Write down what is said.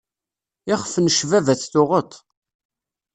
Ixef n cbabat tuɣeḍ-t.